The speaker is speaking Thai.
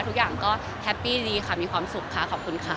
ทุกอย่างก็แฮปปี้ดีค่ะมีความสุขค่ะขอบคุณค่ะ